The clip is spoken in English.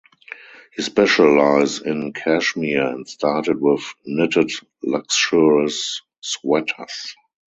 He specialise in cashmere and started with knitted luxurious sweaters.